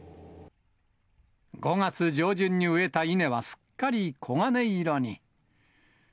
５月上旬に植えた稲は、すっかり黄金色に。